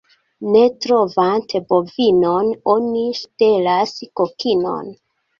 Ne trovante bovinon, oni ŝtelas kokinon.